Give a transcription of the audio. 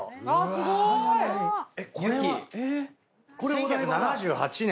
１９７８年。